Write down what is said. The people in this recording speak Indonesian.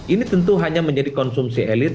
ini tentu hanya menjadi konsumsi elit